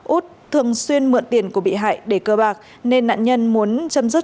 út thường xuyên mượn tiền của bị hại để cơ bạc nên nạn nhân muốn chấm dứt